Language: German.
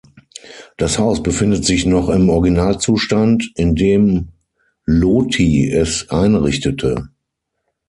Das Haus befindet sich noch im Originalzustand, in dem Loti es einrichtete.